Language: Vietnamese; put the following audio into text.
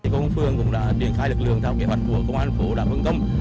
công phương cũng đã tiền khai lực lượng theo kế hoạch của công an phố đà phương công